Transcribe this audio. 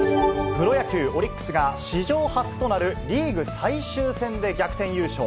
プロ野球・オリックスが、史上初となるリーグ最終戦で逆転優勝。